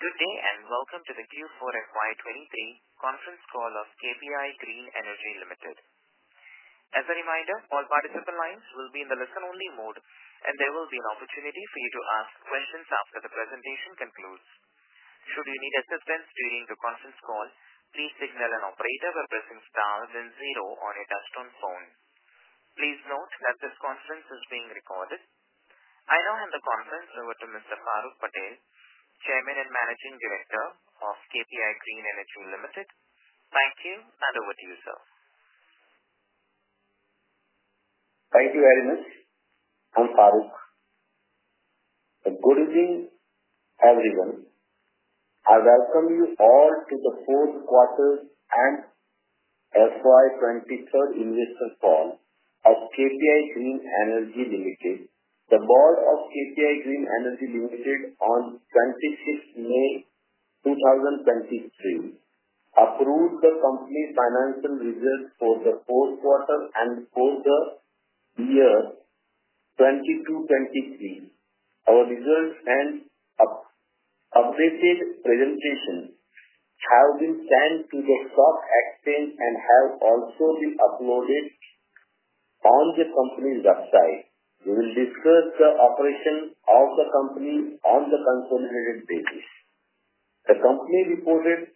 Good day. Welcome to the Q4 FY 2023 Conference Call of KPI Green Energy Limited. As a reminder, all participant lines will be in the listen-only mode, and there will be an opportunity for you to ask questions after the presentation concludes. Should you need assistance during the conference call, please signal an operator by pressing star then zero on your touchtone phone. Please note that this conference is being recorded. I now hand the conference over to Mr. Faruk Patel, Chairman and Managing Director of KPI Green Energy Limited. Thank you. Over to you, sir. Thank you, Ernest. I'm Faruk. Good evening, everyone. I welcome you all to the Fourth Quarter and FY 2023 Investor Call of KPI Green Energy Limited. The board of KPI Green Energy Limited on 26th May, 2023, approved the company's financial results for the fourth quarter and for the year 2022-2023. Our results and updated presentation have been sent to the stock exchange and have also been uploaded on the company's website. We will discuss the operation of the company on the consolidated basis. The company reported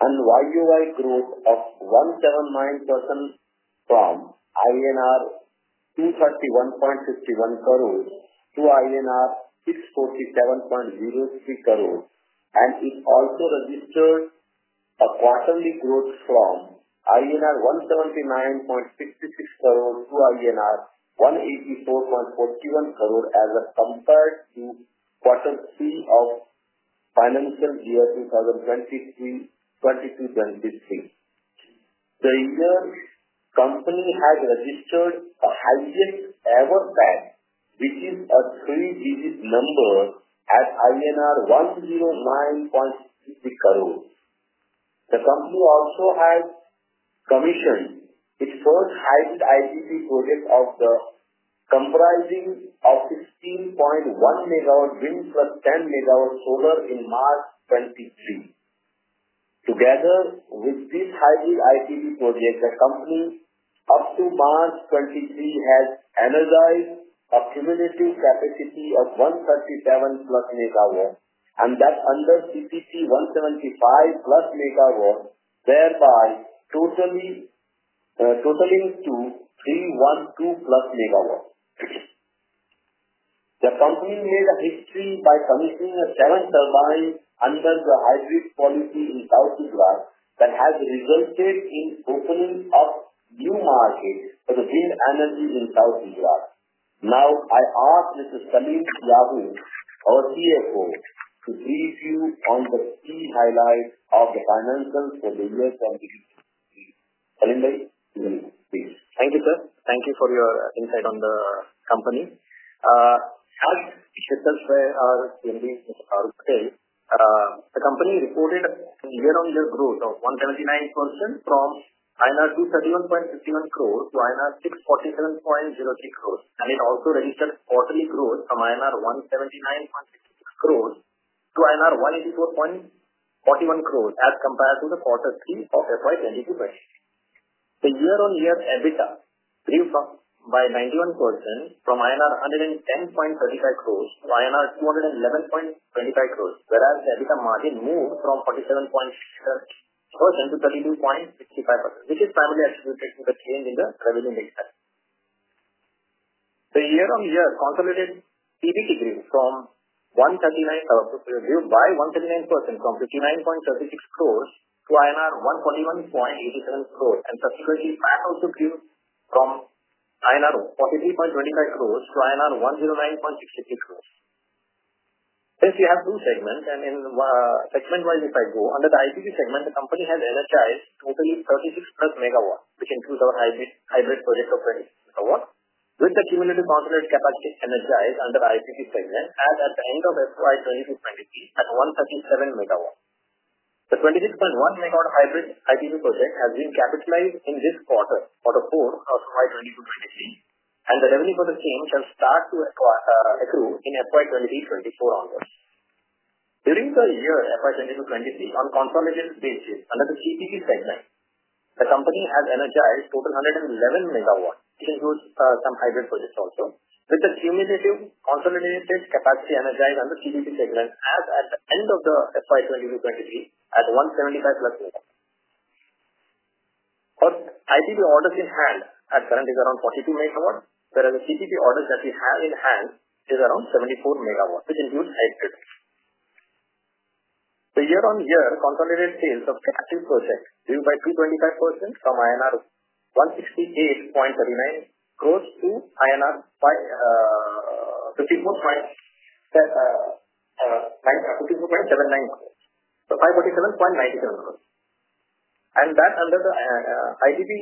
an YoY growth of 179% from INR 231.61 crores to INR 647.03 crores. It also registered a quarterly growth from INR 179.66 crore to INR 184.41 crore as compared to quarter three of financial year 2022-2023. The year, company has registered the highest ever that, which is a three-digit number at INR 109.66 crore. The company also has commissioned its first hybrid IPP project comprising of 16.1 MW wind, +10 MW solar in March 2023. Together with this hybrid IPP project, the company up to March 2023, has energized a cumulative capacity of 137+ MW, that's under CPP 175+ MW, thereby totally totaling to 312+ MW. The company made a history by commissioning a seven turbine under the hybrid policy in South Gujarat that has resulted in opening of new markets for the wind energy in South Gujarat. I ask Mr. Salim Yahoo, our CFO, to brief you on the key highlights of the financials for the year 2023. Salim, please. Thank you, sir. Thank you for your insight on the company. As stated by our MD, Mr. Faruk Patel, the company reported a year-on-year growth of 139% from INR 231.61 crores to INR 647.03 crores, and it also registered quarterly growth from INR 179.66 crores to INR 184.41 crores, as compared to the Q3 of FY 2022-2023. The year-on-year EBITDA grew by 91% from INR 110.35 crores to INR 211.25 crores, whereas the EBITDA margin moved from 47.6% to 32.65%, which is primarily attributed to the change in the prevailing mix. The year-on-year consolidated EBIT improved by 139% from INR 59.36 crores to INR 141.87 crore. Subsequently, I also grew from INR 43.25 crores to INR 109.66 crores. Since we have two segments and in segment wise, if I go, under the IPP segment, the company has energized totally 36+ MW, which includes our hybrid project of 10 MW, with the cumulative consolidated capacity energized under IPP segment, as at the end of FY 2022-2023, at 137 MW. The 26.1 MW hybrid IPP project has been capitalized in this quarter for the Q4 of FY 2022-2023, and the revenue for the same shall start to accrue in FY 2023-2024 onwards. During the year FY 2022-2023, on consolidated basis, under the CPP segment, the company has energized total 111 MW. It includes some hybrid projects also, with a cumulative consolidated capacity energized under CPP segment, as at the end of the FY 2022-2023, at 175+ MW. Our IPP orders in hand at currently is around 42 MW, whereas the CPP orders that we have in hand is around 74 MW, which includes hybrid. The year-on-year consolidated sales of captive projects grew by 225% from INR 168.39 crores to INR 547.97 crores. INR 547.97 crores. That's under the IPP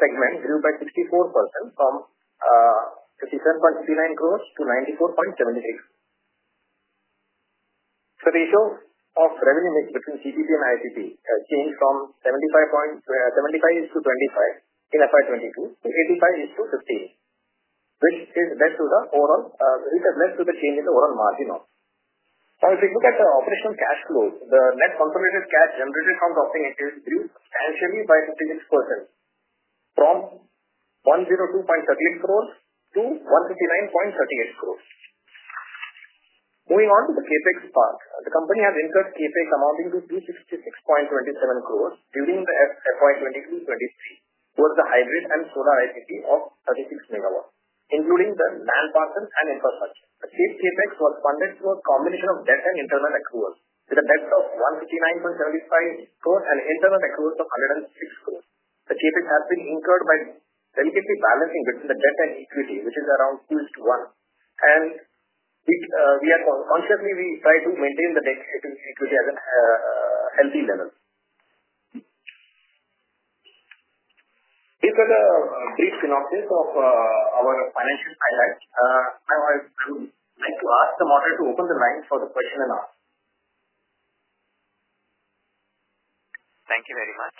segment grew by 64% from 57.69 crores to 94.78 crores. The issue of revenue mix between CPP and IPP has changed from 75 is to 25 in FY 2022 to 85 is to 15. Which is led to the overall led to the change in the overall margin. Now, if you look at the operational cash flow, the net consolidated cash generated from the operating activities grew substantially by 56%, from 102.38 crore to 159.38 crore. Moving on to the CapEx part, the company has incurred CapEx amounting to 366.27 crore during the FY 2022-2023, towards the hybrid and solar IPP of 36 MW, including the land parcels and infrastructure. The CapEx was funded through a combination of debt and internal accruals, with a debt of 159.75 crore and internal accruals of 106 crore. The CapEx has been incurred by delicately balancing between the debt and equity, which is around two to one, and which we are consciously, we try to maintain the debt equity at a healthy level. These are the brief synopsis of our financial highlights. I'd like to ask the moderator to open the line for the question-and-answer. Thank you very much.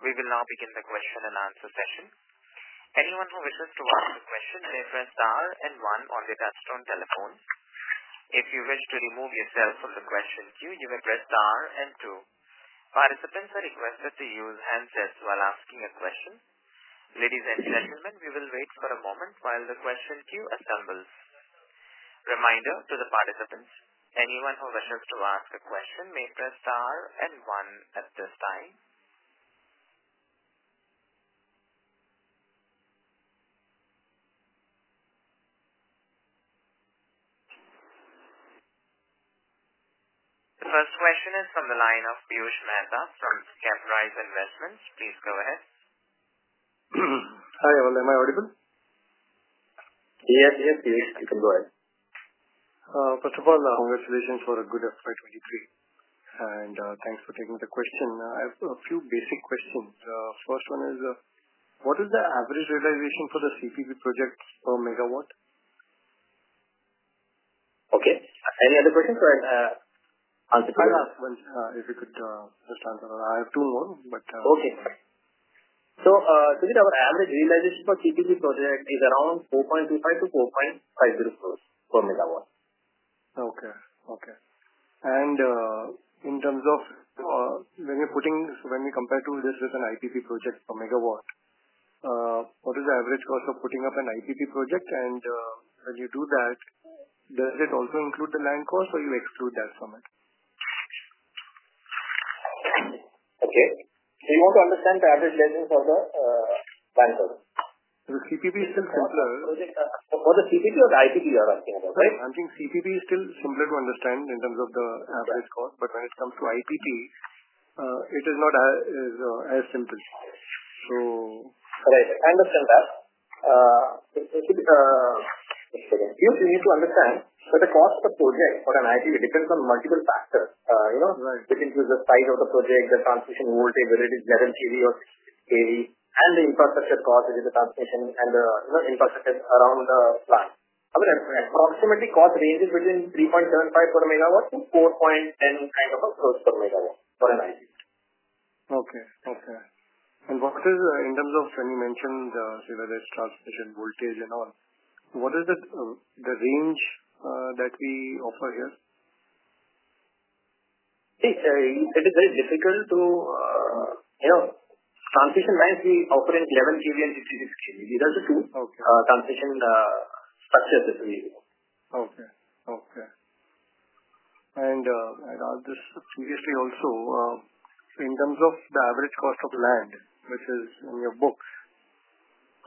We will now begin the question-and-answer session. Anyone who wishes to ask a question should press star and one on your touchtone telephone. If you wish to remove yourself from the question queue, you may press star and two. Participants are requested to use handsets while asking a question. Ladies and gentlemen, we will wait for a moment while the question queue assembles. Reminder to the participants, anyone who wishes to ask a question may press star and one at this time. The first question is from the line of Piyush Mehta from Caprize Investments. Please go ahead. Hi, everyone. Am I audible? Yes, yes, please. You can go ahead. First of all, congratulations for a good FY 2023, and thanks for taking the question. I have a few basic questions. First one is, what is the average realization for the CPP projects per MW? Okay. Any other question or answer? I'll ask one, if you could just answer. I have two more, but. Okay. Our average realization for CPP project is around 4.25 crore-4.50 crore rupees per megawatt. Okay. Okay. In terms of, when we compare to this with an IPP project per megawatt, what is the average cost of putting up an IPP project? When you do that, does it also include the land cost or you exclude that from it? You want to understand the average level for the land cost? The CPP is still simpler. Okay, for the CPP or IPP you are asking about, right? I think CPP is still simpler to understand in terms of the average cost, but when it comes to IPP, it is not as simple. Right, I understand that. Actually, you need to understand that the cost of project for an IPP depends on multiple factors. You know, it includes the size of the project, the transmission voltage, whether it is 7 kV or kV, and the infrastructure cost, which is the transmission and the, you know, infrastructure around the plant. I mean, approximately cost ranges between 3.75 per megawatt to 4.10 kind of a cost per megawatt for an IPP. Okay. Okay. What is, in terms of when you mentioned, whether it's transmission, voltage and all, what is the range, that we offer here? It, it is very difficult to... You know, transition lines, we offer in 11 kV and 66 kV. These are the two- Okay. Transition, structures that we use. Okay. Okay. This previously also, so in terms of the average cost of land, which is in your books...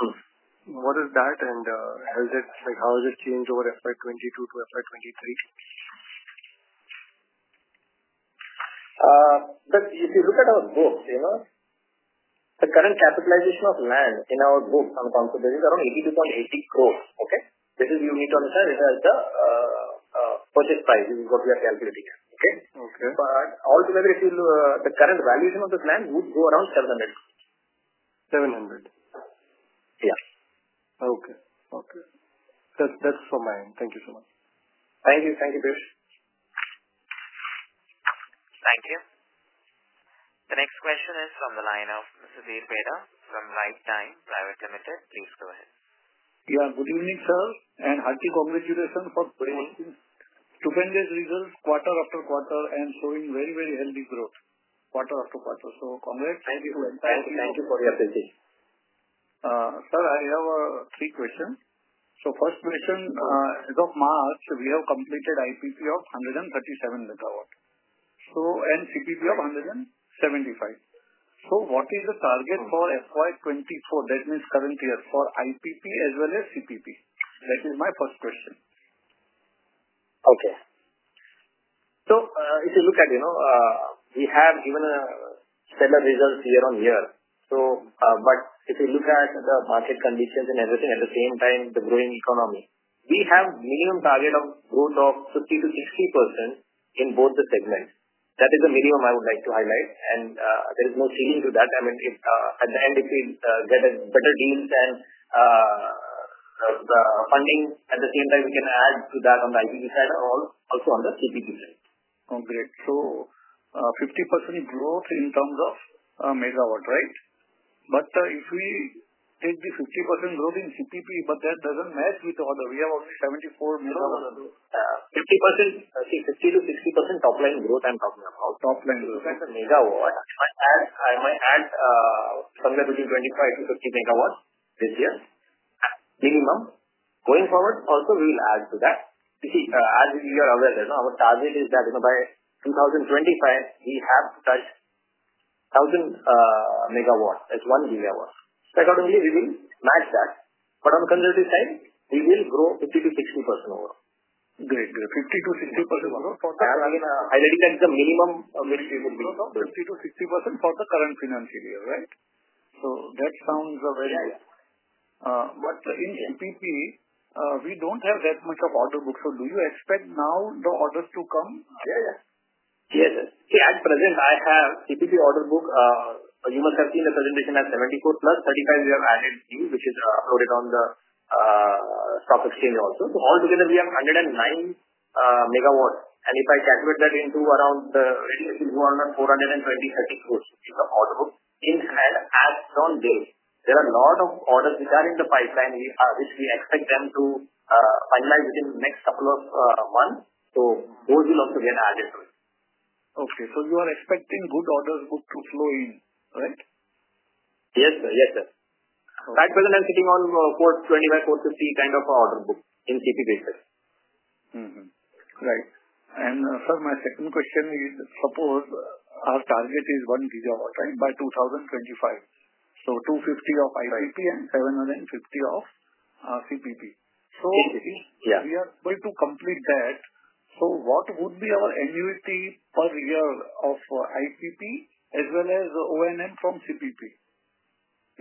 Mm-hmm. What is that? How is it, like, how has it changed over FY 2022 to FY 2023? If you look at our books, you know, the current capitalization of land in our books on consolidation around 82.80 crore, okay? Which is unique on the purchase price, which is what we are calculating, okay? Okay. All together it will, the current valuation of the land would go around 700 crores. 700? Yeah. Okay. Okay. That's, that's from my end. Thank you so much. Thank you. Thank you, Piyush. Thank you. The next question is from the line of Mr. Sudhir Behera from Right Time Private Limited. Please go ahead. Good evening, sir, and hearty congratulations for producing stupendous results quarter after quarter, and showing very healthy growth quarter after quarter. Congrats. Thank you. Thank you for your appreciation. Sir, I have three questions. First question, as of March, we have completed IPP of 137 MW, and CPP of 175 MW. What is the target for FY 2024, that means current year, for IPP as well as CPP? That is my first question. Okay. If you look at, you know, we have given a similar results year on year, if you look at the market conditions and everything, at the same time, the growing economy, we have minimum target of growth of 50%-60% in both the segments. That is the minimum I would like to highlight, and there is no ceiling to that. I mean, if, at the end, if we get a better deals and the funding, at the same time, we can add to that on the IPP side at all, also on the CPP side. Oh, great! 50% growth in terms of megawatt, right? If we take the 50% growth in CPP, but that doesn't match with other. We have only 74 MW. 50%, see 50%-60% top line growth, I'm talking about. Top line growth megawatt. I might add, somewhere between 25 MW-50 MW this year, minimum. Going forward, also we'll add to that. You see, as you are aware, that our target is that by 2025, we have to touch 1,000 MW, that's 1 GW. Secondly, we will match that, but on conservative side, we will grow 50%-60% over. Great. 50%-60%. I already said the minimum, we will grow 50%-60% for the current financial year, right? That sounds very- In IPP, we don't have that much of order book. Do you expect now the orders to come? Yes, sir. See, at present, I have CPP order book. You must have seen the presentation at 74 + 35, we have added new, which is uploaded on the stock exchange also. All together we have 109 MW. If I calculate that into around 420 crores -430 crores in the order book. In and as on date, there are a lot of orders which are in the pipeline, which we expect them to finalize within the next couple of months. Those will also get added. Okay. You are expecting good orders book to flow in, correct? Yes, sir. Yes, sir. Right now I'm sitting on 4.25-4.50 kind of order book in CPP basis. Right. Sir, my second question is, suppose our target is 1 GW, right, by 2025. 250 of IPP and 750 of CPP. We are going to complete that. What would be our annuity per year of IPP as well as O&M from CPP?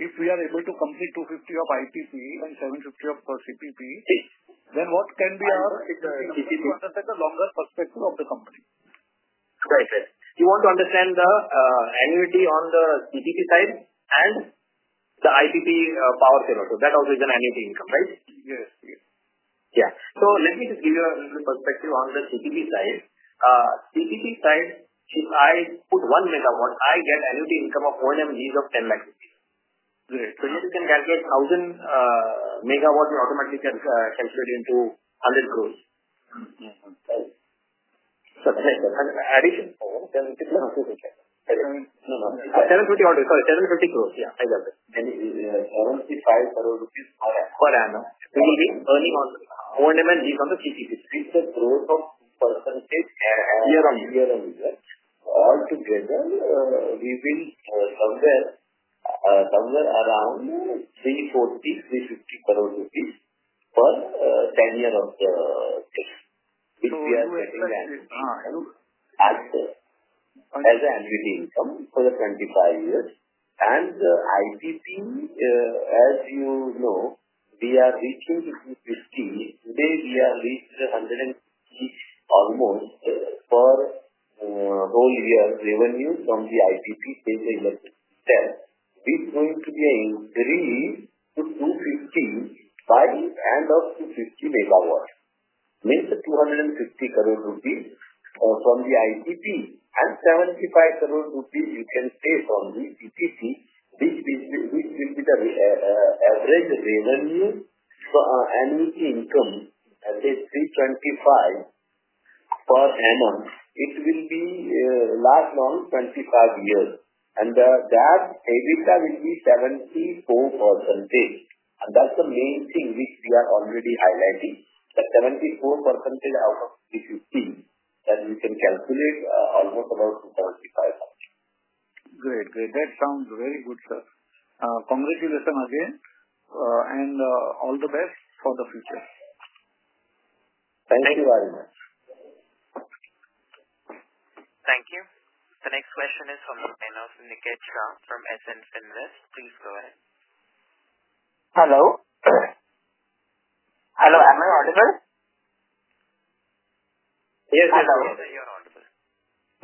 If we are able to complete 250 of IPP and 750 of CPP, what can be our longer perspective of the company? Right, sir. You want to understand the annuity on the CPP side and the IPP power generator. That also is an annuity income, right? Let me just give you a little perspective on the CPP side. CPP side, if I put 1 MW, I get annuity income of O&M leaves of 10 lakhs rupees. Great. You can calculate 1,000 MW, you automatically can calculate into INR 100 crores. Right. Additional. 750 orders. INR 750 crores. Yeah, I love it. 75 crore rupees per annum. Per annum. We will be earning on O&M from the CPP. With the growth of % year on year on year. All together, we've been somewhere around 340 crore-350 crore rupees per 10 year as an annuity income for the 25 years. IPP, as you know, we are reaching to 50. Today we have reached 100 and almost per whole year revenue from the IPP since last 10. It's going to be increased to 250 by the end of 250 MW. Means 250 crore rupees from the IPP and 75 crore rupees you can say from the CPP, which will be the average revenue for annuity income, at least 325 per annum. It will be last on 25 years, and that EBITDA will be 74%. That's the main thing which we are already highlighting, that 74% out of 50/50, that we can calculate almost about 2,500. Great. Great. That sounds very good, sir. Congratulations again, and all the best for the future. Thank you very much. Thank you. The next question is from the line of Niket Shah from SM Invest. Please go ahead. Hello? Hello, am I audible? Yes, yes, you are audible.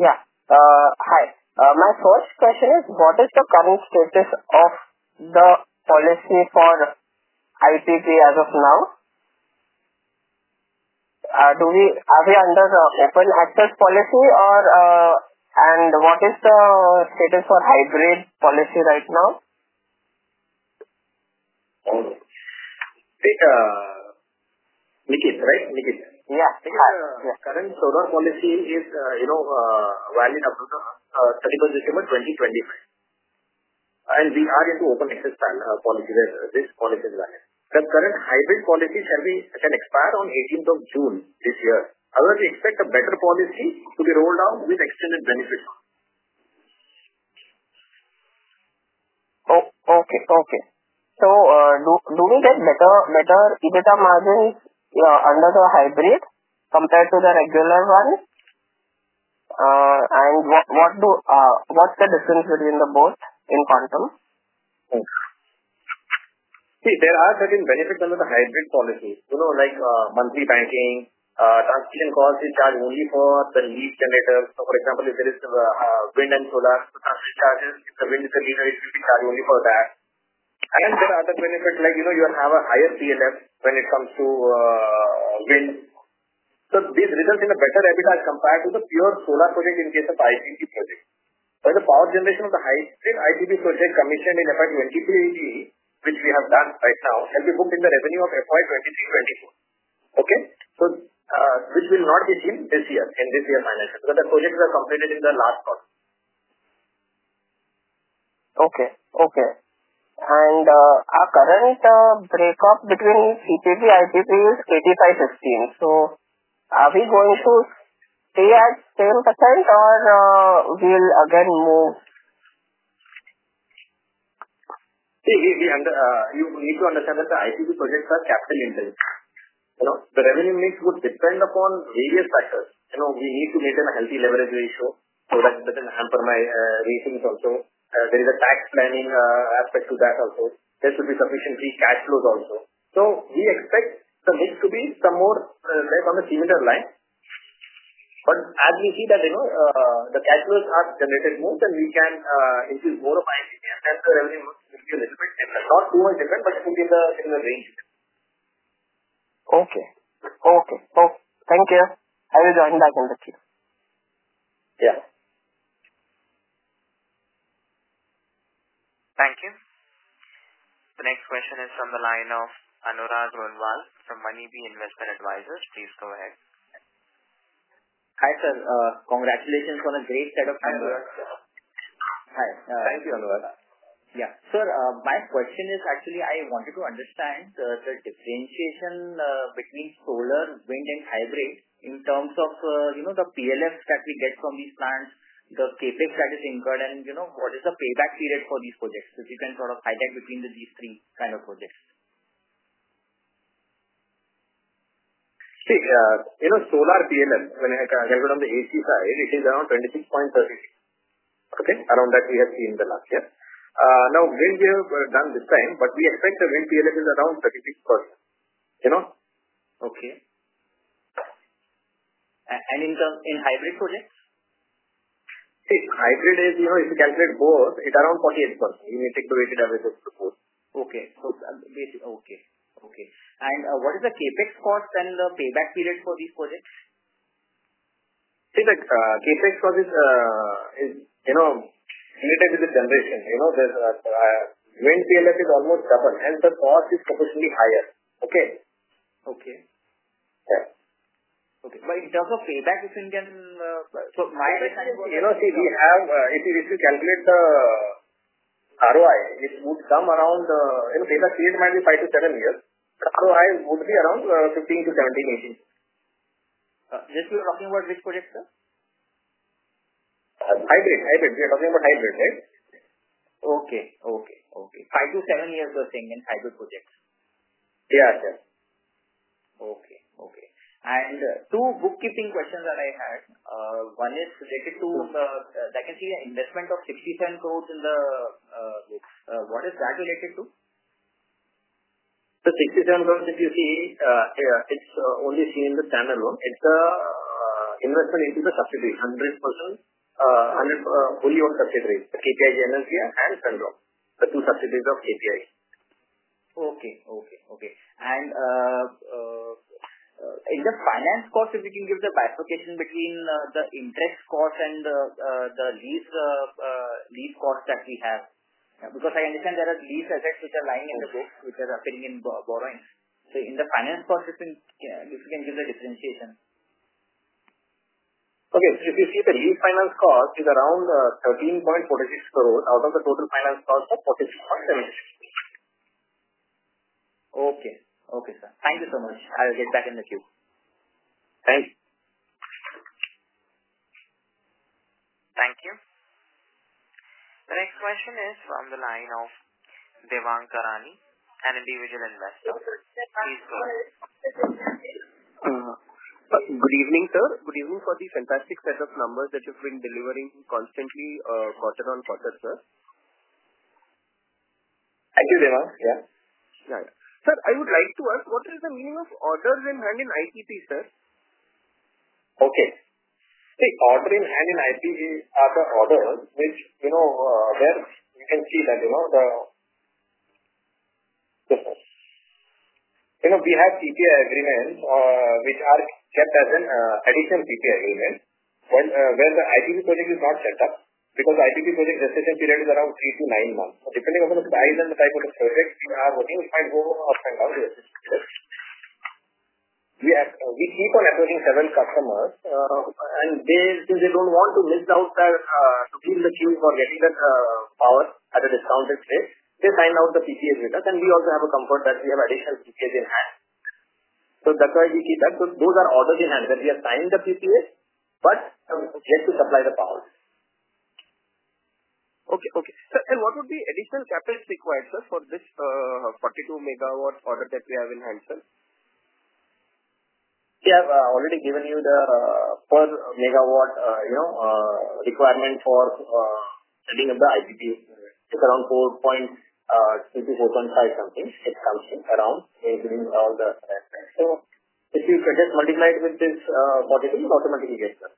Yeah. Hi. My first question is, what is the current status of the policy for IPP as of now? Are we under the open access policy or and what is the status for hybrid policy right now? Niket, right? Niket. Yeah. Current solar policy is, you know, valid up to 31st December 2025. We are into open access policy, this policy is valid. The current hybrid policy shall be can expire on 18th of June this year. We expect a better policy to be rolled out with extended benefits. Oh, okay. Okay. Do we get better EBITDA margins under the hybrid compared to the regular one? What's the difference between the both in quantum? See, there are certain benefits under the hybrid policy. You know, like, monthly banking, transmission cost is charged only for the heat generator. For example, if there is wind and solar, the transmission charges, the wind generator, it will be charged only for that. There are other benefits, like, you know, you have a higher PLF when it comes to wind. This results in a better EBITDA compared to the pure solar project in case of IPP project. Where the power generation of the high IPP project commissioned in FY 2023, which we have done right now, has been booked in the revenue of FY 2023-2024. Okay? Which will not be seen this year, in this year's finances, because the projects were completed in the last quarter. Okay. Okay. Our current break off between CPP, IPP is 80 by 15. Are we going to stay at 10% or, we'll again move? See, you need to understand that the IPP projects are capital intensive. You know, the revenue mix would depend upon various factors. You know, we need to maintain a healthy leverage ratio so that doesn't hamper my ratings also. There is a tax planning aspect to that also. There should be sufficient free cash flows also. We expect the mix to be some more right on a similar line. As we see that, you know, the cash flows are generated more, then we can increase more of IPP, and thus the revenue will be a little bit similar. Not too much different, but it will be in the similar range. Okay. Okay. Oh, thank you. I will join back in the queue. Yeah. Thank you. The next question is from the line of Anurag Roonwal from Moneybee Investment Advisors. Please go ahead. Hi, sir. Congratulations on a great set of numbers. Hi. Thank you, Anurag. Yeah. Sir, my question is actually, I wanted to understand the differentiation between solar, wind and hybrid in terms of, you know, the PLFs that we get from these plants, the CapEx that is incurred, and you know, what is the payback period for these projects? So we can sort of highlight between the these three kind of projects. See, you know, solar PLF, when it is on the AC side, it is around 26.30. Okay? Around that we have seen in the last year. Now, wind we have done this time, but we expect the wind PLF is around 36%, you know? Okay. In hybrid projects? See, hybrid is, you know, if you calculate both, it's around 48%. You need to take the weighted average of the both. Okay, cool. basic, okay. Okay. What is the CapEx cost and the payback period for these projects? See the CapEx for this is, you know, related to the generation. You know, there's a wind PLF is almost double, hence, the cost is proportionally higher. Okay? Okay. Yeah. In terms of payback, if you can. You know, see, we have, if you calculate the ROI, it would come around, you know, payback period may be five to seven years. ROI would be around 15%-17%. This you're talking about which project, sir? Hybrid. We are talking about hybrid, right? Okay. Okay, okay. five to seven years you're saying in hybrid projects? Yeah, sure. Okay, okay. Two bookkeeping questions that I had. One is related to, I can see an investment of 67 crores in the... What is that related to? The 67 crores, if you see, it's only seen in the standard one. It's investment into the subsidiary. 100% fully owned subsidiary, the KPIGEnergia and SunDrops Energia, the two subsidiaries of KPI. Okay. Okay, okay. In the finance cost, if you can give the bifurcation between the interest cost and the lease cost that we have. Because I understand there are lease assets which are lying in the books, which are occurring in borrowings. In the finance cost, if you can give the differentiation. Okay. If you see the lease finance cost is around 13.46 crores out of the total finance cost of 44 crores. Okay. Okay, sir. Thank you so much. I will get back in the queue. Thank you. Thank you. The next question is from the line of Devanka Rani, an Individual Investor. Please go ahead. Good evening, sir. Good evening for the fantastic set of numbers that you've been delivering constantly, quarter-on-quarter, sir. Thank you, Devanka. Yeah. Sir, I would like to ask, what is the mean of orders in hand in IPP, sir? Okay. The order in hand in IPP are the orders which, you know, where you can see that, you know, we have PPA agreements, which are kept as an additional PPA agreement when where the IPP project is not set up. Because the IPP project decision period is around three to nine months. Depending upon the size and the type of the project we are working, it might go up and down. We keep on approaching several customers, and they, since they don't want to miss out the to be in the queue for getting the power at a discounted rate, they sign out the PPA with us. We also have a comfort that we have additional PPAs in hand. That's why we keep that. Those are orders in hand, that we have signed the PPA, but have yet to supply the power. Okay, okay. Sir, what would be additional capital required, sir, for this 42 MW order that we have in hand, sir? We have already given you the per megawatt, you know, requirement for setting up the IPP. It's around 4.6-4.5 something, it comes in around giving all the aspects. If you could just multiply it with this 40, you automatically get that....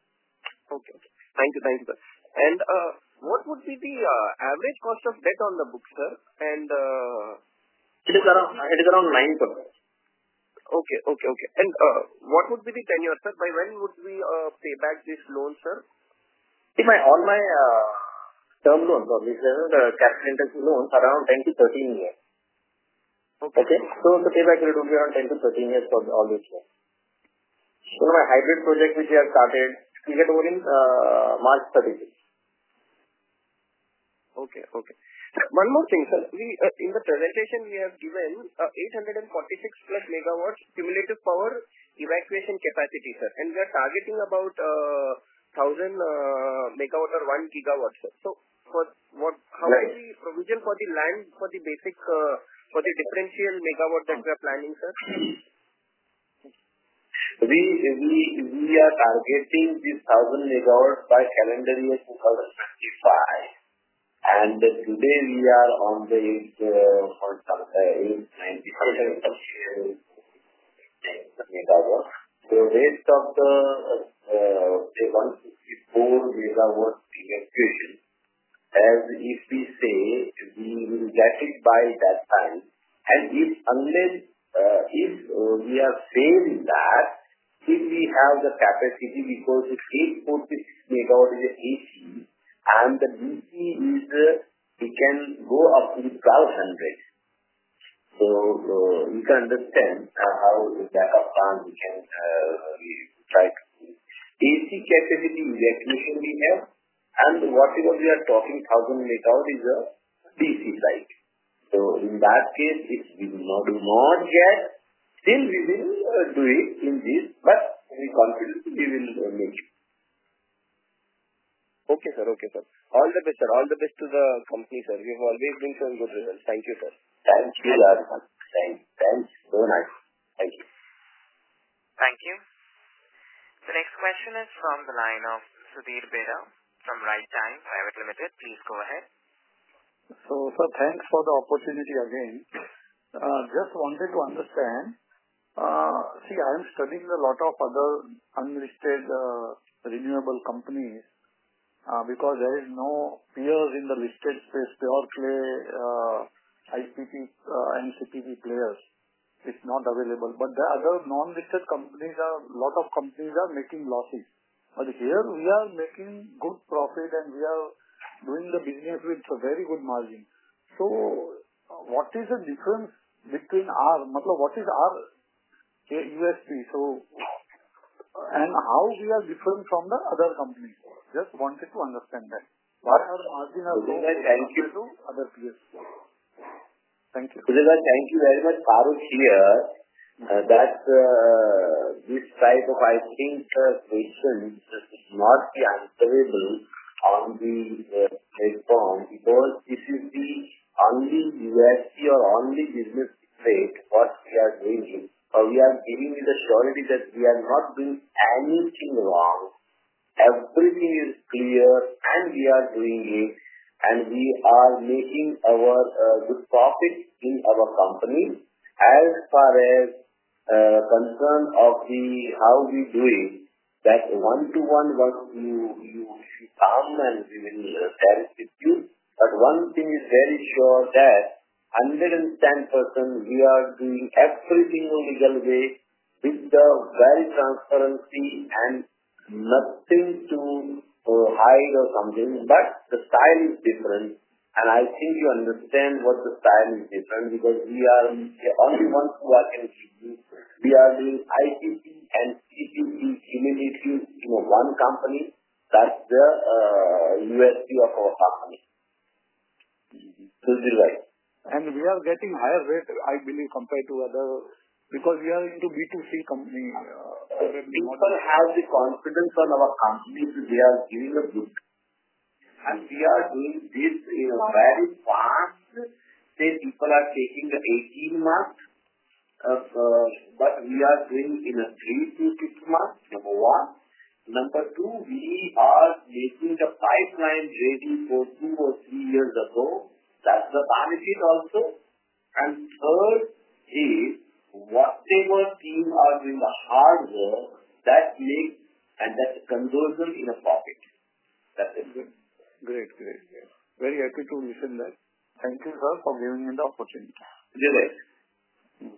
Okay, thank you. Thank you, sir. What would be the average cost of debt on the book, sir? It is around 9%. Okay, okay. What would be the tenure, sir? By when would we pay back this loan, sir? See my, all my term loans, obviously, the cash loans, around 10-13 years. Okay. To pay back, it will be around 10-13 years for all these loans. My hybrid project, which we have started, we get over in March 30. Okay, okay. One more thing, sir. We, in the presentation, we have given 846+ MW cumulative power evacuation capacity, sir. We are targeting about 1,000 MW or 1 GW, sir. How is the provision for the land, for the basic, for the differential megawatt that we are planning, sir? We are targeting this 1,000 MW by calendar year 2025. Today we are on the 99 MW. The rest of the, say, 154 MW evacuation, as if we say we will get it by that time. If unless, if we are saying that if we have the capacity, because if 846 MW is AC, and the DC is, we can go up to 1,200. You can understand, how with that upon we can, try to. AC capacity evacuation we have, and whatever we are talking, 1,000 MW is, DC side. In that case, it will not be more yet, still we will, do it in this, but we are confident we will make it. Okay, sir. Okay, sir. All the best, sir. All the best to the company, sir. We've always been some good results. Thank you, sir. Thank you very much. Thanks very much. Thank you. Thank you. The next question is from the line of Sudhir Behera, from Right Time Private Limited. Please go ahead. Sir, thanks for the opportunity again. Just wanted to understand, see, I'm studying a lot of other unlisted renewable companies, because there is no peers in the listed space. They all play IPP and CPP players. It's not available. The other non-listed companies, lot of companies are making losses, here we are making good profit and we are doing the business with a very good margin. What is the difference between our, what is our USP? How we are different from the other companies? Just wanted to understand that. Thank you. other peers. Thank you. Thank you very much. Far as here, that this type of, I think, question should not be answerable on the platform, because this is the only way or only business trade, what we are doing, or we are giving you the surety that we are not doing anything wrong. Everything is clear, we are doing it, and we are making our good profit in our company. As far as concerned of the how we do it, that one to one, once you come and we will share it with you. One thing is very sure that 110% we are doing everything legal way with the very transparency and nothing to hide or something, but the style is different. I think you understand what the style is different, because we are the only ones who are in. We are doing IPP and CPP in initiative in one company. That's the USP of our company. This is right. We are getting higher rate, I believe, compared to other, because we are into B2C company. People have the confidence on our company, they are doing a good, and we are doing this in a very fast. Say, people are taking the 18 months, but we are doing in a three to six months, number one. Number two, we are making the pipeline ready for two or three years ago. That's the benefit also. Third is, whatever things are in the hardware that make and that conversion in a profit. That's it. Great. Very happy to listen that. Thank you, sir, for giving me the opportunity. Very well.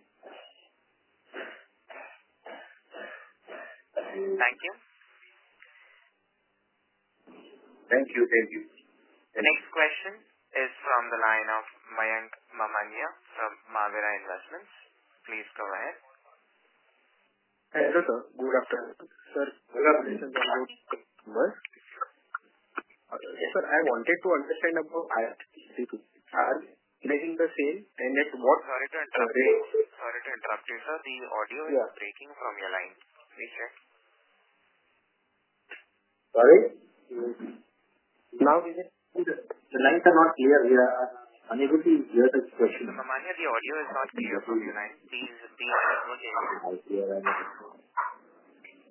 Thank you. Thank you. Thank you. The next question is from the line of Mayank Mamania, from Mavira Investments. Please go ahead. Hi, sir. Good afternoon, sir. Good afternoon, sir. Sir, I wanted to understand about RC. Are making the sale and it's more- Sorry to interrupt. Sir, the audio- Yeah. -is breaking from your line. Please check. Sorry? Now the lines are not clear here. I'm unable to hear the question. The audio is not clear.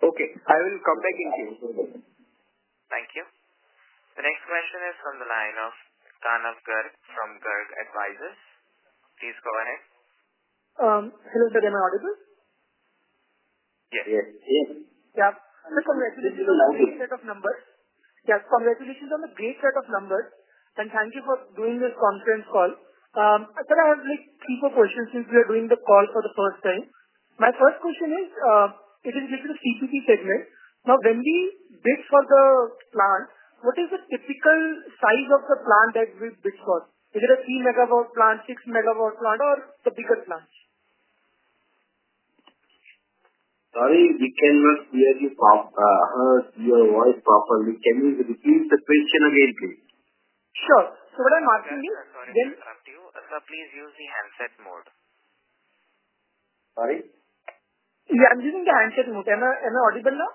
Okay, I will come back again. Thank you. The next question is from the line of Tanaggar from Garf Advisors. Please go ahead. Hello sir, am I audible? Yes, yes. Yeah. Congratulations on the great set of numbers. Yeah, congratulations on the great set of numbers. Thank you for doing this conference call. Sir, I have, like, three more questions since we are doing the call for the first time. My first question is, it is related to CPP segment. Now, when we bid for the plant, what is the typical size of the plant that we bid for? Is it a 3 MW plant, 6 MW plant, or the bigger plant? Sorry, we cannot clearly hear your voice properly. Can you repeat the question again, please? Sure. what I'm asking you. Sorry to interrupt you. Sir, please use the handset mode. Sorry? Yeah, I'm using the handset mode. Am I audible now?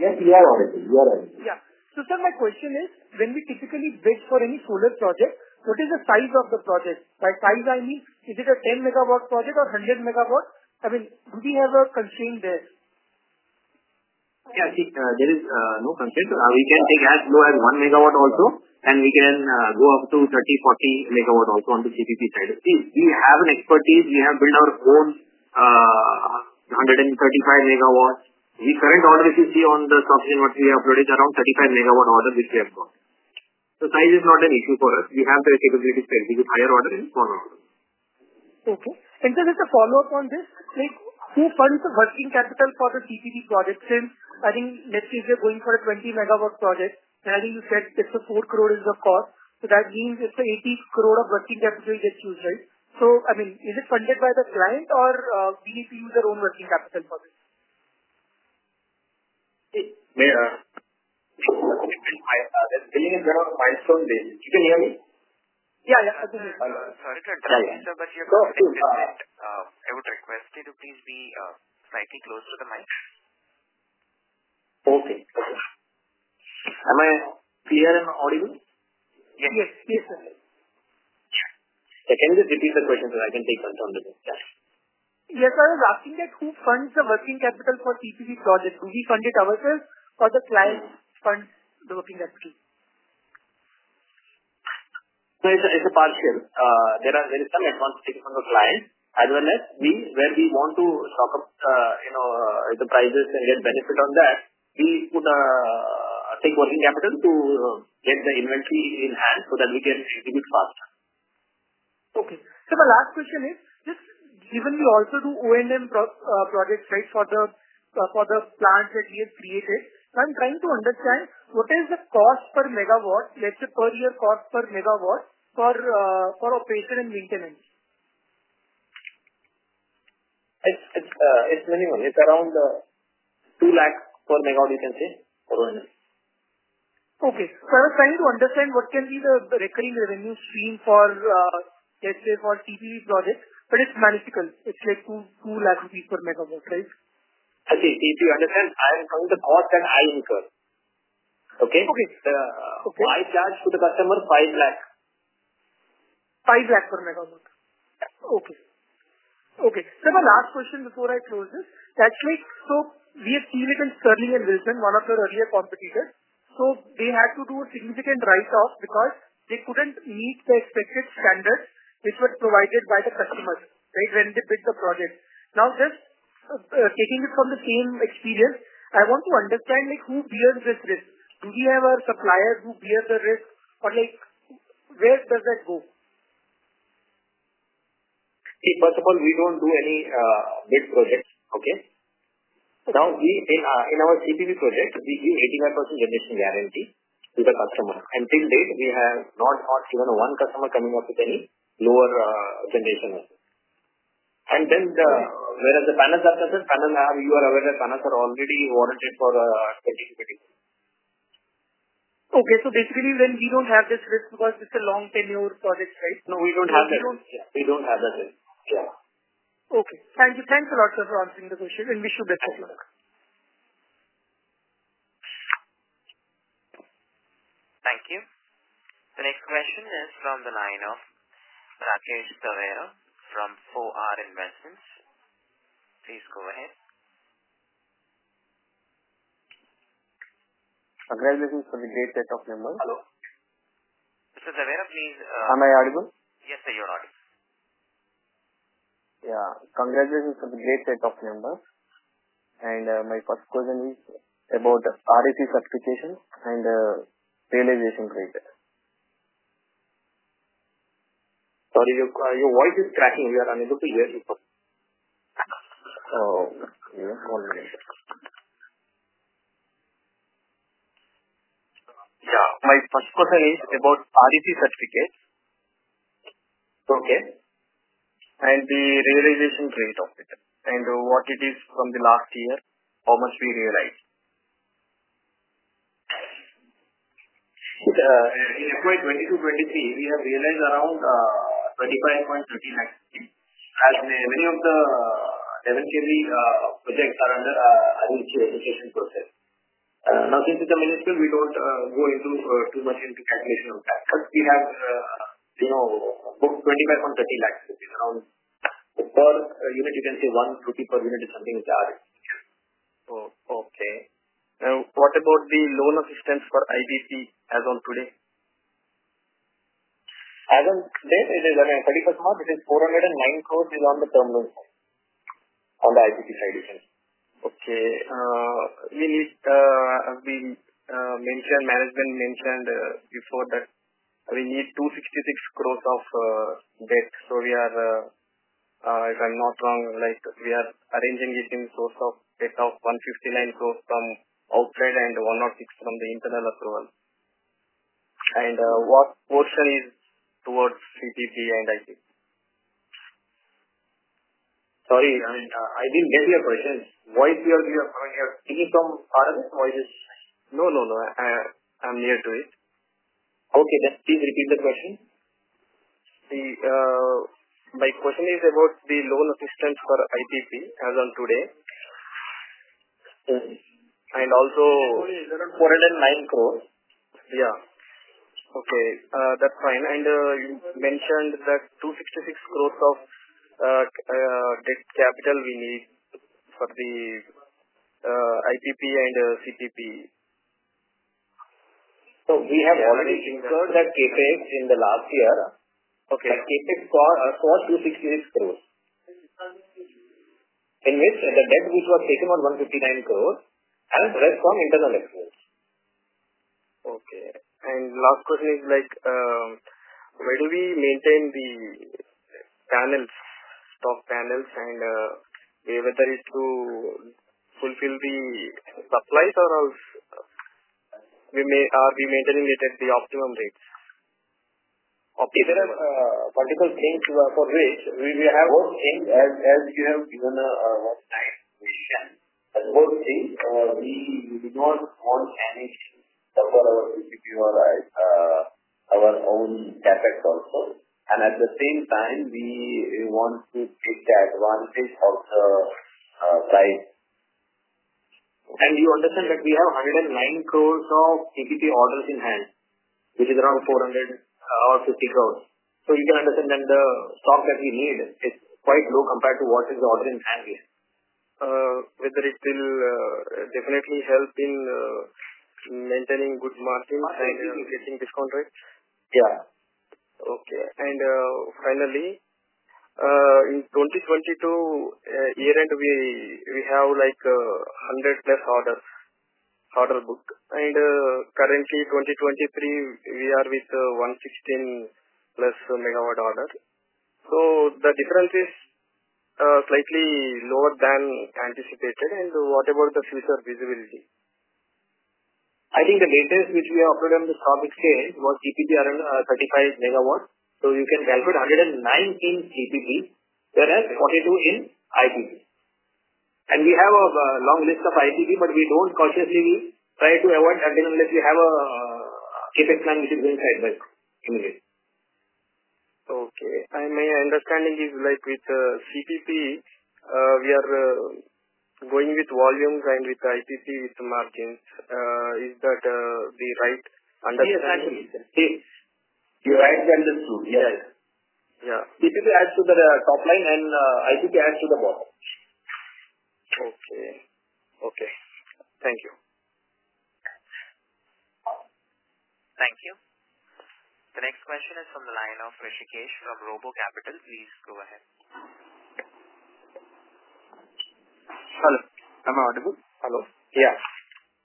Yes, we are audible. You are audible. Sir, my question is: when we typically bid for any solar project, what is the size of the project? By size, I mean, is it a 10 MW project or 100 MW? I mean, do we have a constraint there? I think, there is no constraint. We can take as low as 1 MW also, and we can go up to 30 MW-40 MW also on the CPP side. We have an expertise. We have built our own 135 MW. The current order, if you see on the subscription what we have produced, around 35 MW orders which we have got. Size is not an issue for us. We have the capability to take the higher order in, smaller order. Okay. Just a follow-up on this, like, who funds the working capital for the CPP project? Since, I think, let's say we are going for a 20 MW project, and you said it's a 4 crore is the cost, so that means it's a 80 crore of working capital that's used, right? I mean, is it funded by the client or we need to use our own working capital for this? May, There is problem with my mic. You can hear me? Yeah, yeah. Sorry, sir, you have a, I would request you to please be slightly closer to the mic. Okay. Am I clear and audible? Yes. Yes, sir. Can you just repeat the question so I can take on the next step? Yes, sir. I was asking that who funds the working capital for CPP project? Do we fund it ourselves or the client funds the working capital? It's a, it's a partial. There is some advance taken from the client, as well as we, where we want to stock up, you know, the prices and get benefit on that, we put, I think, working capital to get the inventory in hand so that we can deliver faster. Okay. My last question is, just given you also do O&M projects, right? For the plants that we have created, I'm trying to understand what is the cost per megawatt, let's say per year cost per megawatt for operation and maintenance. It's minimal. It's around 2 lakh per megawatt, you can say, around that. I was trying to understand what can be the recurring revenue stream for, let's say for CPP project, but it's manageable. It's like 2 lakh rupees per megawatt, right? I think if you understand, I am telling the cost that I incur. Okay? Okay. I charge to the customer INR 5 lakh. 5 lakh per megawatt. Okay. Okay. My last question before I close this: actually, we have seen it in Sterling and Wilson, one of your earlier competitors. They had to do a significant write-off because they couldn't meet the expected standards which were provided by the customers, right, when they bid the project. Now, just taking it from the same experience, I want to understand, like, who bears this risk? Do we have a supplier who bears the risk, or, like, where does that go? First of all, we don't do any big projects. Okay? We in our CPP project, we give 85% generation guarantee to the customer, till date we have not even 1 customer coming up with any lower generation. The panels are present, you are aware that panels are already warranted for 20 years. Okay. Basically, when we don't have this risk because it's a long 10-year project, right? No, we don't have that. We don't- We don't have that risk. Yeah. Okay. Thank you. Thanks a lot, sir, for answering the question, and wish you best of luck. Thank you. The next question is from the line of Rajesh Tavera from OR Investments. Please go ahead. Congratulations on the great set of numbers. Hello. Mr. Tavera, please. Am I audible? Yes, sir, you are audible. Yeah. Congratulations on the great set of numbers, and, my first question is about REC substitution and, realization rate. Sorry, your voice is cracking. We are unable to hear you. Oh, yeah. Sorry. Yeah, my first question is about REC certificates. Okay. The realization rate of it, and what it is from the last year, how much we realized? In FY 2022-2023, we have realized around 25.30 lakhs, and many of the eventually projects are under REC substitution process. Now, since it's a ministry, we don't go into too much into calculation of that. We have, you know, about 25.30 lakhs, which is around per unit, you can say 1 rupee per unit is something which I have. Oh, okay. What about the loan assistance for IPP as of today? As of today, it is, I mean, 30%, it is 409 crores is on the term loan on the IPP side, yes. Okay, management mentioned before that we need INR 266 crores of debt. We are, if I'm not wrong, like, we are arranging different source of debt of 159 crores from outside and 106 crores from the internal approval. What portion is towards CPP and IPP? Sorry, I mean, I didn't get your question. Why do you are coming here in some foreign voices? No, no. I'm here to it. Okay. Just please repeat the question. The, my question is about the loan assistance for IPP as of today. Mm. And also- 409 crores. Yeah. Okay, that's fine. You mentioned that 266 crores of debt capital we need for the IPP and CPP. We have already incurred that CapEx in the last year. Okay. The CapEx cost INR 266 crores. It means the debt which was taken on 159 crores has raised from internal expense. Okay. Last question is like, where do we maintain the panels, stock panels, and, whether it's to fulfill the supplies or else are we maintaining it at the optimum rates? Okay. There are particular things for which we have both things, as you have given a time, we can. Both things, we do not want any issue for our CPP or our own CapEx also. At the same time, we want to take the advantage of the price. You understand that we have 109 crores of CPP orders in hand, which is around 400 or 450 crores. You can understand that the stock that we need is quite low compared to what is the order in hand here. Whether it will definitely help in maintaining good margins and getting discount rates? Yeah. Okay. Finally, in 2020 to, year-end, we have, like, 100+ orders, order booked. Currently, 2023, we are with, 116+ MW orders. The difference is, slightly lower than anticipated. What about the future visibility? I think the latest which we operate on the topic scale was CPP, around 35 MW. You can calculate 119 CPP, whereas 42 in IPP. We have a long list of IPP, but we don't consciously try to avoid that unless we have a CapEx plan which is inside that, anyway. Okay. My understanding is like with CPP, we are going with volumes and with IPP with margins. Is that the right understanding? You are right understood. Yes. Yeah. CPP adds to the top line, and IPP adds to the bottom. Okay. Okay. Thank you. Thank you. The next question is from the line of Rishikesh of RoboCapital. Please go ahead. Hello, am I audible? Hello. Yeah.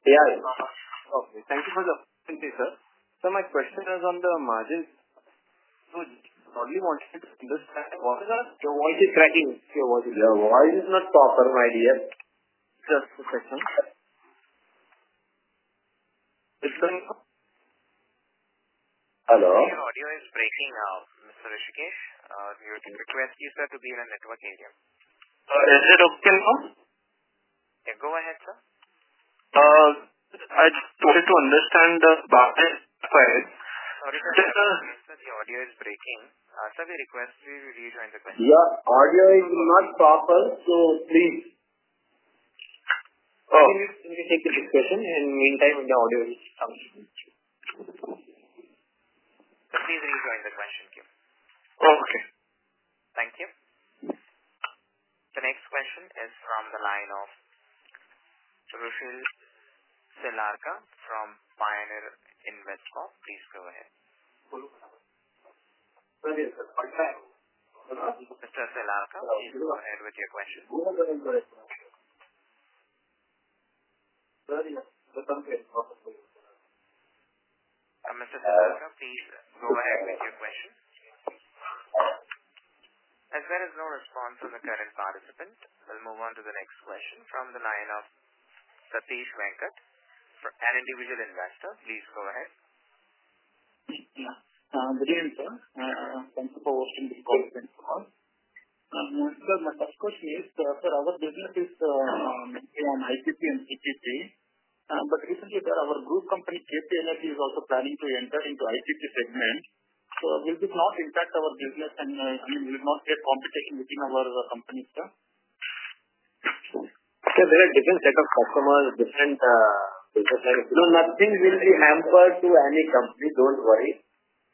Yeah. Okay. Thank you for the in answer. My question is on the margin. How do you want me to understand? Your voice is cracking. Your voice is not proper, my dear. Just a second. It's going on. Hello? Your audio is breaking out, Mr. Rishikesh. We would request you, sir, to be in a network area. Is it okay now? Yeah, go ahead, sir. I just wanted to understand the market side. Sorry, sir, the audio is breaking. Sir, we request you to rejoin the question. Yeah, audio is not proper, please. We will take the next question. In meantime, the audio is coming. Please rejoin the question, thank you. Okay. Thank you. The next question is from the line of Rushil Selarka from Pioneer Investcorp. Please go ahead. Hello. Mr. Selarka, please go ahead with your question. Go ahead with your question. Mr. Selarka, please go ahead with your question. There is no response from the current participant, we'll move on to the next question from the line of Satish Venkat, an Individual Investor. Please go ahead. Good evening, sir. Thank you for hosting this call. Thank you. Sir, my first question is, sir, our business is mainly on IPP and CPP, but recently, sir, our group company, KP Energy, is also planning to enter into IPP segment. Will this not impact our business, and, I mean, will it not create competition between our companies, sir? Sir, there are different set of customers, different types. Nothing will be hampered to any company. Don't worry.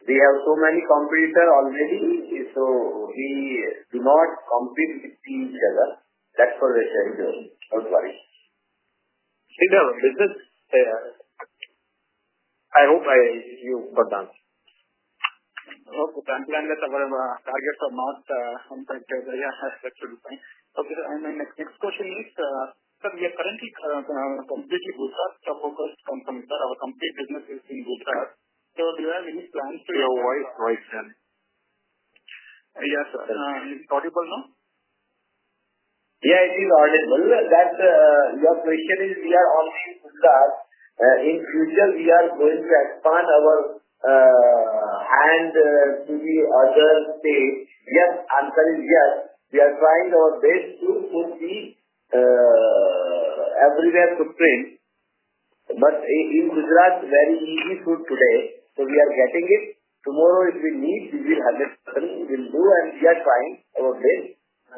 We have so many competitors already. We do not compete with each other. That's what we said. Don't worry. See the business. I hope you understand. Currently, our target for market, sometimes we have structured fine. My next question is, sir, we are currently completely Gujarat. Focus from Gujarat, our complete business is in Gujarat. Do you have any plans to? Your voice, sir? Yes, it's audible now? Yeah, it is audible. That, your question is we are only Gujarat. In future we are going to expand our hand to the other state. Yes, answer is yes. We are trying our best to put the everywhere footprint, but in Gujarat, very easy foot today, so we are getting it. Tomorrow, if we need to be 100%, we will do, and we are trying our best.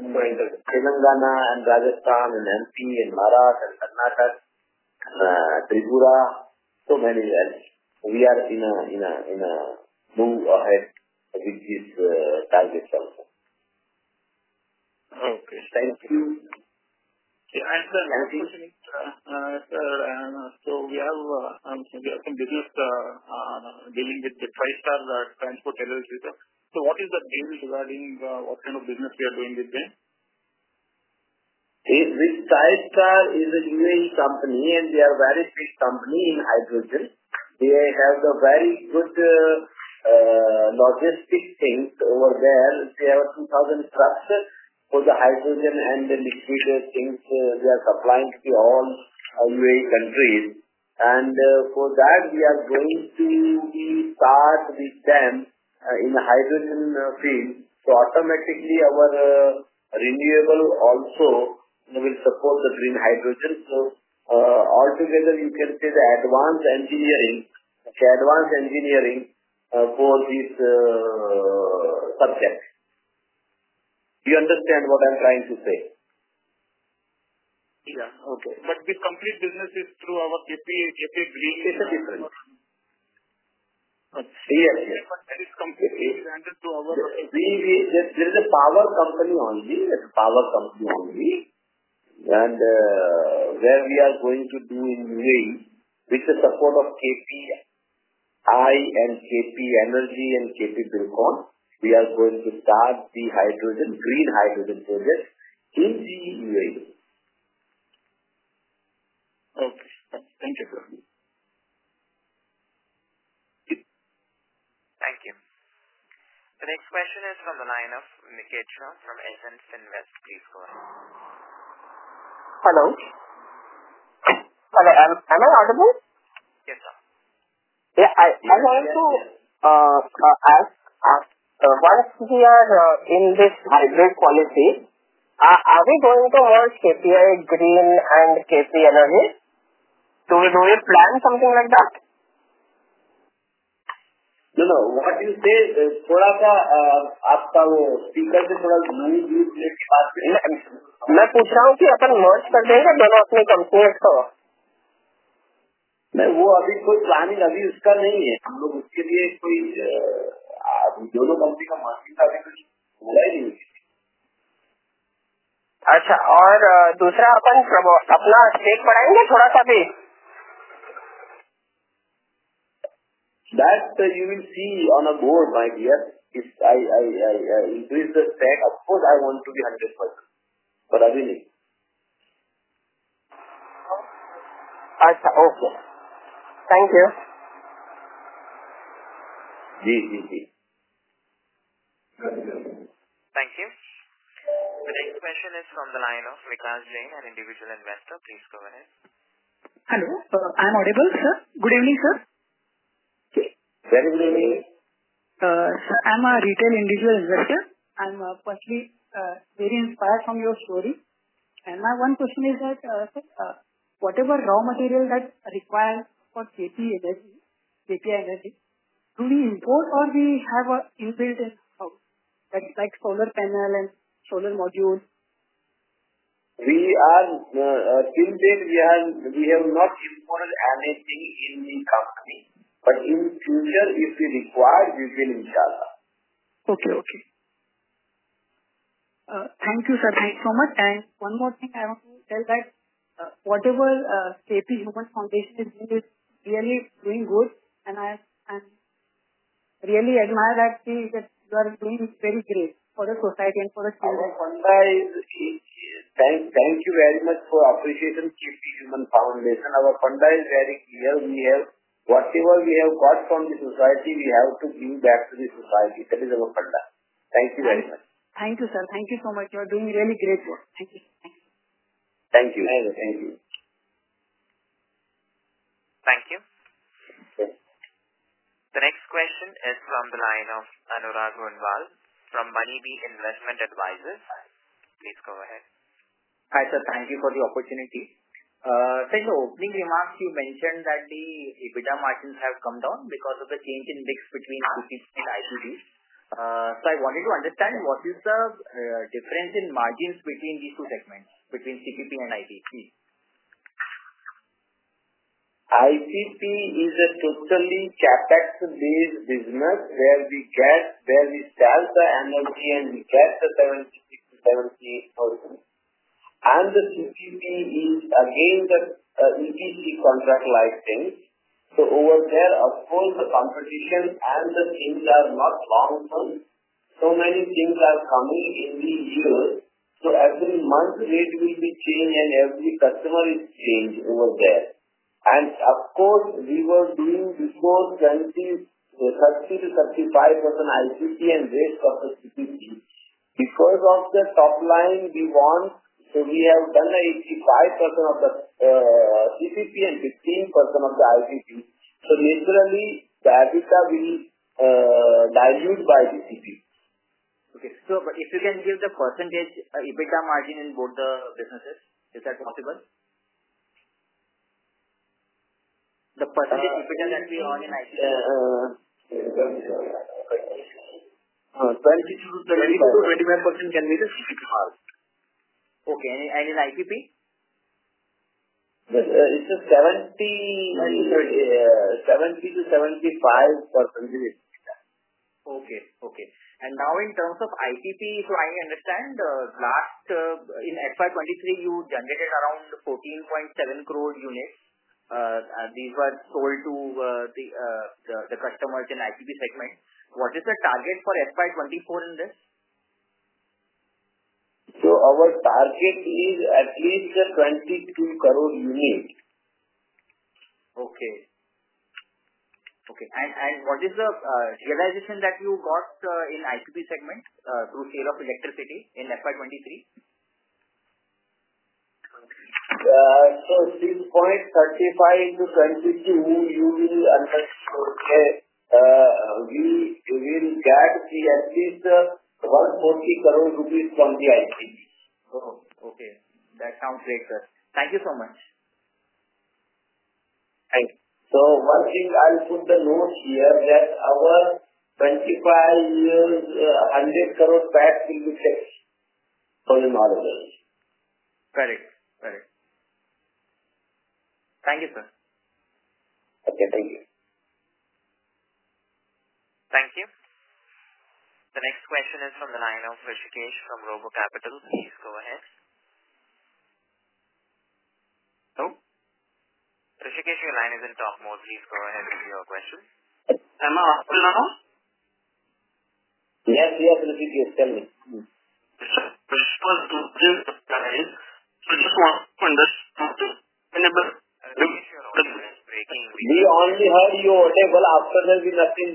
Telangana and Rajasthan and MP and Maharashtra and Karnataka, Tripura, so many areas. We are in a move ahead with this target also. Okay, thank you. The next question is, sir, we have some business dealing with Tristar Transport LLC. What is the deal regarding what kind of business we are doing with them? Is with Tristar is a UAE company, and they are very big company in hydrogen. They have the very good logistic things over there. They have 2,000 trucks for the hydrogen and the liquid things. They are supplying to all UAE countries. For that we are going to be start with them in the hydrogen field. Automatically our renewable also will support the green hydrogen. All together you can say the advanced engineering for this subject. Do you understand what I'm trying to say? Yeah. Okay. The complete business is through our KPI Green- Yes. That is completely branded to our- There is a power company only. Where we are going to do in UAE, with the support of KPI and KP Energy and KP Telecom, we are going to start the green hydrogen project in the UAE. Okay. Thank you, sir. Thank you. The next question is from the line of Niket Shah from SM Invest. Hello. Am I audible? Yes, ma'am. Yeah. I want to ask, once we are in this hybrid policy, are we going to merge KPI Green and KP Energy? Do we plan something like that? No, no. What you say, I'm asking, are you going to merge both your companies? No, there is no such plan right now. We are not doing anything for that right now. Okay, secondly, will you increase our stake a little bit? You will see on a board, my dear. If I increase the stake, of course, I want to be 100%, but I will need. Okay. Thank you. Ji, ji. Thank you. The next question is from the line of Vikas Jain, an Individual Investor. Please go ahead. Hello. I'm audible, sir? Good evening, sir. Good evening. Sir, I'm a Retail Individual Investor, and firstly, very inspired from your story. My one question is that, sir, whatever raw material that's required for KP Energy, do we import or we have our in-built in-house, like solar panel and solar module? We are, till date we have not imported anything in the company, but in future, if we require, we will import. Okay. Okay. Thank you, sir. Thanks so much. One more thing I want to tell that, whatever, KP Human Foundation is doing is really doing good, and I really admire that thing, that you are doing very great for the society and for the children. Our funda is. Thank you very much for appreciation KP Human Development Foundation. Our funda is very clear. Whatever we have got from the society, we have to give back to the society. That is our funda. Thank you very much. Thank you, sir. Thank you so much. You are doing really great work. Thank you. Thank you. Thank you. Thank you. The next question is from the line of Anurag Roonwal from Moneybee Investment Advisors. Please go ahead. Hi, sir. Thank you for the opportunity. In the opening remarks, you mentioned that the EBITDA margins have come down because of the change in mix between CPP and IPP. I wanted to understand, what is the difference in margins between these two segments, between CPP and IPP? IPP is a totally CapEx-based business, where we sell the energy and we get the 70%, 78%. The CPP is again, the EPC contract licensing. Over there, of course, the competition and the things are not long term. Many things are coming every year, every month rate will be changed and every customer is changed over there. Of course, we were doing before 20%, 30%-35% IPP and rest of the CPP. Of the top line we want, we have done 85% of the CPP and 15% of the IPP. Naturally, the EBITDA will dilute by CPP. Okay. If you can give the % EBITDA margin in both the businesses, is that possible? The % EBITDA that we earn in IPP, 20%-35% can be the CPP margin. Okay. In IPP? It's a 70%-75%. Okay. Okay. Now in terms of IPP, I understand, last, in FY 2023, you generated around 14.7 crore units. These were sold to the customers in IPP segment. What is the target for FY 2024 in this? Our target is at least 22 crore units. Okay. Okay. What is the realization that you got in IPP segment through sale of electricity in FY23? 6.35 to 22, you will understand. Okay, we will get at least 140 crore rupees from the IPP. Okay. That sounds great, sir. Thank you so much. Thank you. One thing I'll put the note here, that our 25 years, INR 100 crore pack will be fixed for the model. Correct. Thank you, sir. Okay, thank you. Thank you. The next question is from the line of Rishikesh from RoboCapital. Please go ahead. Hello? Rishikesh, your line is in talk mode. Please go ahead with your question. Am I audible now? Yes, Hrishikesh, tell me. We only heard you audible, after that there's nothing.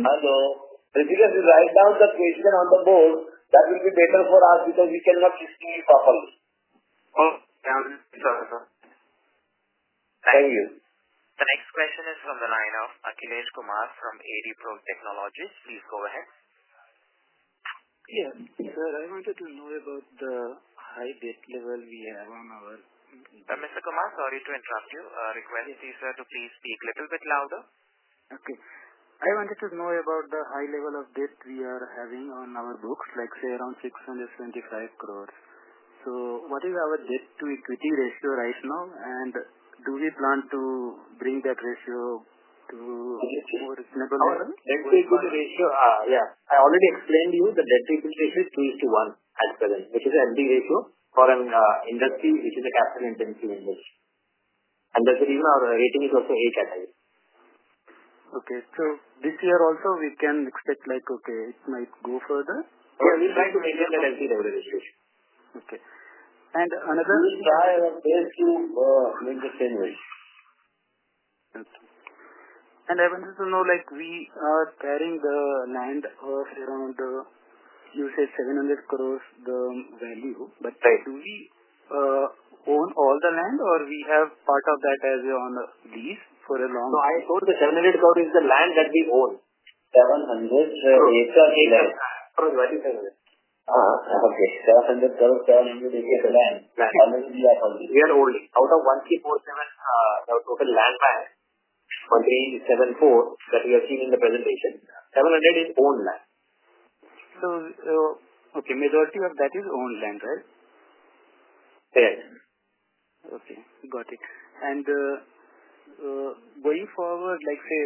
Hello. Hrishikesh, you write down the question on the board. That will be better for us because we cannot hear you properly. Oh, yeah. Sorry, sir. Thank you. The next question is from the line of Akhilesh Kumar from AD Pro Technologies. Please go ahead. Yeah. Sir, I wanted to know about the high debt level we have on our-. Mr. Kumar, sorry to interrupt you. Request you, sir, to please speak little bit louder. Okay. I wanted to know about the high level of debt we are having on our books, like, say, around 675 crores. What is our debt to equity ratio right now, and do we plan to bring that ratio to a more reasonable level? Our debt to equity ratio, yeah. I already explained you the debt to equity ratio is 3:1 as per then, which is a healthy ratio for an industry, which is a capital-intensive industry. That's even our rating is also A category. Okay. this year also, we can expect like, okay, it might go further? We try to maintain the debt to equity ratio. Okay. another- We try our best to maintain range. Okay. I wanted to know, like, we are carrying the land of around, you said 700 crores, the value. Right. Do we own all the land or we have part of that as on lease for a long time? No, I told the INR 700 crore is the land that we own. 700 acres of land. Okay. 700 crore, 700 acres of land. We are holding. Out of 1,347, total land bank, containing 74 that you are seeing in the presentation, 700 is own land. Okay, majority of that is own land, right? Yes. Okay, got it. Going forward, like, say,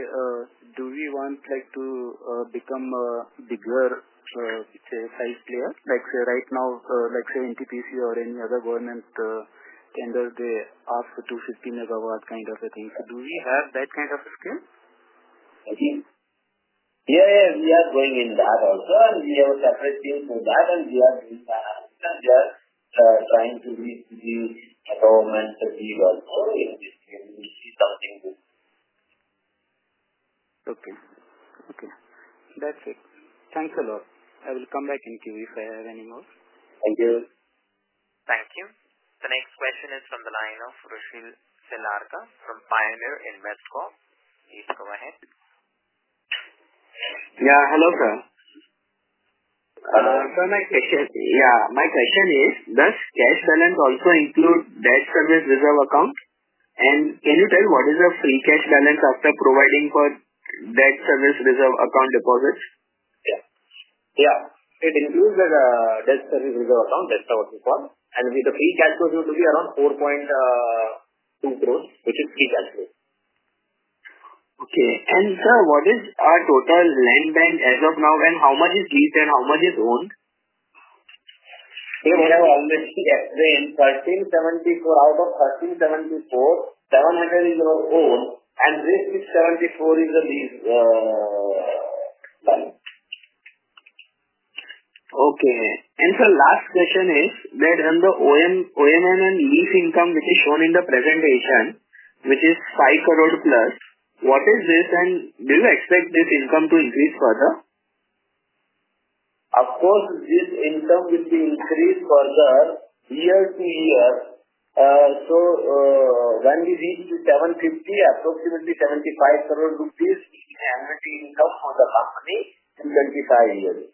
do we want like to become a bigger, say, five player? Like, say, right now, let's say NTPC or any other government tenders, they ask for 215 MW kind of a thing. Do we have that kind of a scale? Again? Yeah, we are going in that also, and we have a separate team for that, and we are doing that. We are trying to reach the government to give us more, and we see something good. Okay, that's it. Thanks a lot. I will come back and give you if I have any more. Thank you. Thank you. The next question is from the line of Rushil Selarka from Pioneer Investcorp. Please go ahead. Yeah. Hello, sir. sir, Yeah, my question is, does cash balance also include Debt Service Reserve Account? Can you tell what is the free cash balance after providing for Debt Service Reserve Account deposits? Yeah, it includes the Debt Service Reserve Account, that's what we call, the free cash flow will be around 4.2 crores, which is free cash flow. Okay. sir, what is our total land bank as of now, and how much is leased and how much is owned? We have already explained 1,374, out of 1,374, 700 is our own, and this is 74 is the lease balance. Okay. Sir, last question is, where on the O&M and lease income, which is shown in the presentation, which is 5 crore+, what is this and do you expect this income to increase further? This income will be increased further year to year. So, when we reach to approximately 75 crore annual income for the company in 2025 yearly.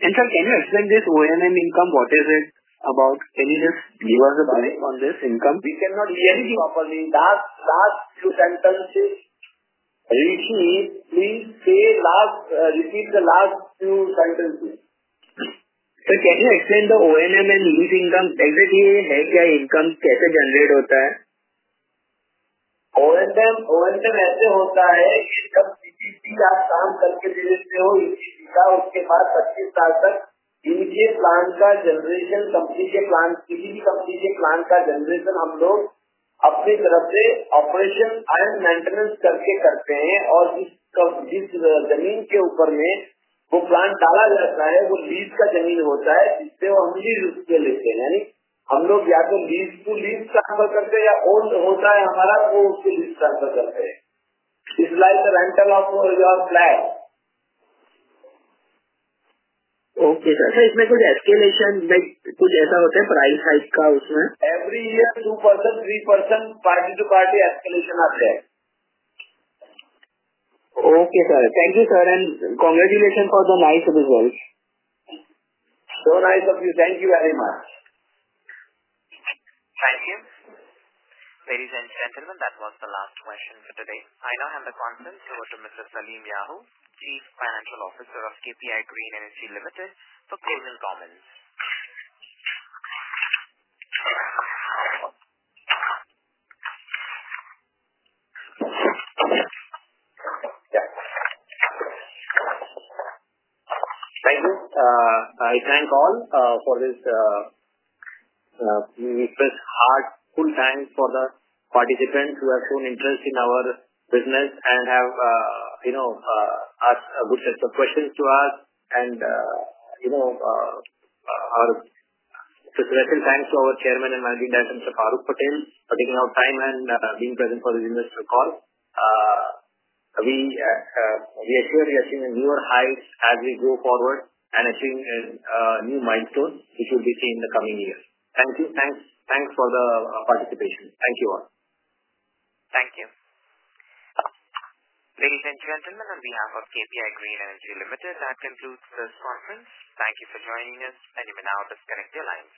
Sir, can you explain this O&M income, what is it about? Can you just give us a break on this income? We cannot hear you properly. Last two sentences. Repeat the last two sentences. Sir, can you explain the O&M and lease income? Exactly, how is the income generated? O&M, O&M is like this. Whenever you work with CPP, for up to 50 years, we do the generation of the CPP plant from our side by doing operation and maintenance, and the land on which the plant is installed is the lease land. We take the lease for it. That is, we either work on lease to lease or what is ours, we work on lease. It's like the rental of your plant. Okay, sir. Is there any escalation or something like that in the price side? Every year, 2%, 3% party to party escalation occurs. Okay, sir. Thank you, sir, and congratulations for the nice results. Nice of you. Thank you very much. Thank you. Ladies and gentlemen, that was the last question for today. I now hand the conference over to Mr. Salim Yahoo, Chief Financial Officer of KPI Green Energy Limited, for closing comments. Thank you. I thank all for this, we express heartfelt thanks for the participants who have shown interest in our business and have, you know, asked a good set of questions to us. You know, our special thanks to our Chairman and Managing Director, Mr. Faruk Patel, for taking out time and being present for this investor call. We, we assure you are seeing newer heights as we go forward and achieve a new milestone, which will be seen in the coming years. Thank you. Thanks for the participation. Thank you all. Thank you. Ladies, and gentlemen, on behalf of KPI Green Energy Limited, that concludes this conference. Thank you for joining us, and you may now disconnect your lines.